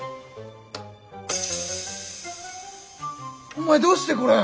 お前どうしてこれ。